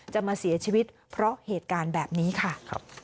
จะมาเสียชีวิตเพราะเหตุการณ์แบบนี้ค่ะ